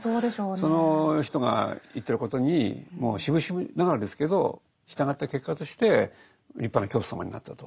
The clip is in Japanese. その人が言ってることにもうしぶしぶながらですけど従った結果として立派な教祖様になったと。